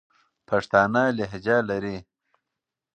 پښتانه لهجه لري.